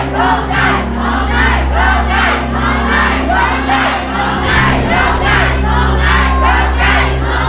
ร้องได้ร้องได้ร้องได้